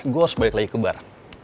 gue harus balik lagi ke barang